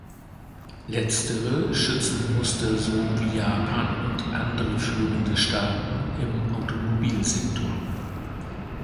Letztere schützen Muster so wie Japan und andere führende Staaten im Automobilsektor.